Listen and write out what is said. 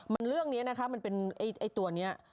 มันเรื่องนี้มันเป็นตัวนี้